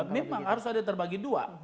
memang harus ada terbagi dua